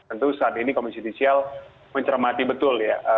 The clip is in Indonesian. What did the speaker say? tentu saat ini komisi judisial mencermati betul ya